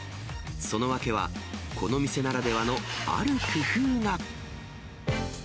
その訳は、この店ならではのある工夫が。